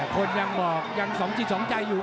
คนยังบอกยังสองจิตสองใจอยู่